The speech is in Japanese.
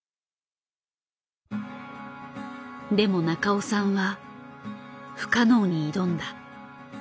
でも中尾さんは不可能に挑んだ。